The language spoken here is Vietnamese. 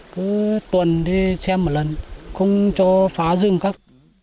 cứ tuần đi xem một lần không cho phá rừng khác